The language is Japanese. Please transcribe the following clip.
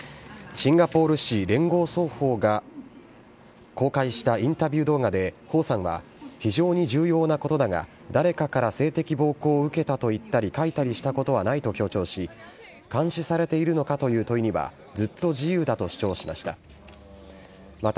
シンガポール紙、聯合早報が公開したインタビュー動画で彭さんは、非常に重要なことだが、誰かから性的暴行を受けたと言ったり書いたりしたことはないと強調し、監視されているのかという問いには、ずっと自由だと主張しました。